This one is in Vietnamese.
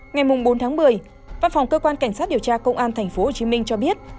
ngày bốn tháng một mươi văn phòng cơ quan cảnh sát điều tra công an tp hcm cho biết